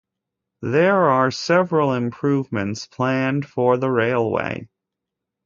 There are several improvements planned for the railway.